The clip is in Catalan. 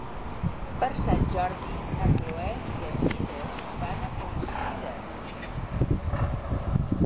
Per Sant Jordi na Cloè i en Milos van a Confrides.